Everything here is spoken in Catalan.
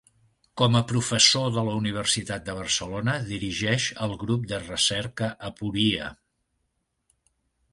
Com a professor de la Universitat de Barcelona, dirigeix el grup de recerca Aporia.